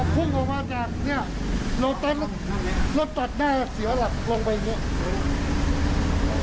พึ่งออกมาจากเนี่ยโรตัสโรตัสหน้าเสียหลักลงไปอย่างเนี่ย